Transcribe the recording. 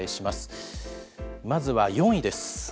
まずは４位です。